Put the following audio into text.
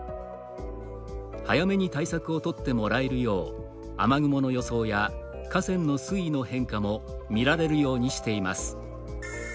早めに対策を取ってもらえるよう雨雲の予想や河川の水位の変化も見られるようにしています。